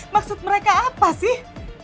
maksud mereka apa sih